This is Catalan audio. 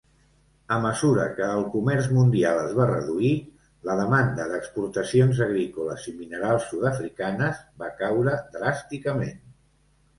A mesura que el comerç mundial es va reduir, la demanda d'exportacions agrícoles i minerals sud-africanes va caure dràsticament.